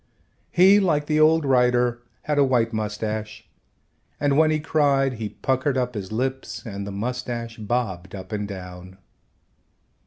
He, like the old writer, had a white mustache, and when he cried he puckered up his lips and the mustache bobbed up and down.